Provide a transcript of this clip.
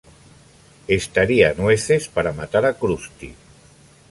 Estaría nueces para matar a Krusty.